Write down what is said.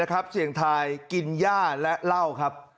เลยนะครับเสียงทายกินย่าและเหล้าครับ